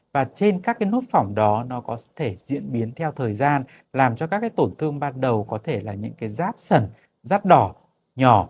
và trên các cái nốt phỏng đó nó có thể diễn biến theo thời gian làm cho các cái tổn thương ban đầu có thể là những cái rát sần rát đỏ nhỏ